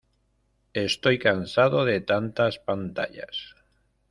Estoy cansado de tantas pantallas.